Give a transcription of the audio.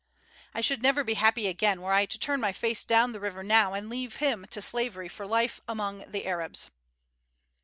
I should never be happy again were I to turn my face down the river now and leave him to slavery for life among the Arabs."